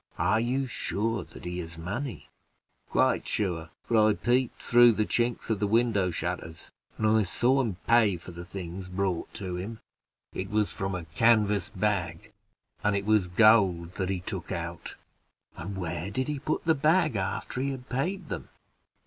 "Are you sure that he has money?" "Quite sure; for I peeped through the chinks of the window shutters, and I saw him pay for the things brought to him; it was from a canvas bag, and it was gold that he took out." "And where did he put the bag after he had paid them?"